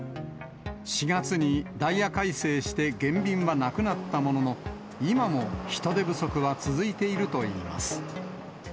４月にダイヤ改正して減便はなくなったものの、今も人手不足は続いているといいます。